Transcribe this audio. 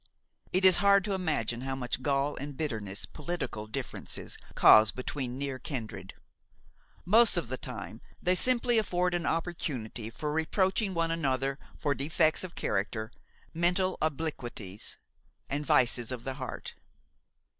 It is hard to imagine how much gall and bitterness political differences cause between near kindred. Most of the time they simply afford them an opportunity for reproaching one another for defects of character, mental obliquities and vices of the heart.